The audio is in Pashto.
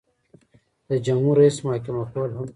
د جمهور رئیس محاکمه کول هم کوي.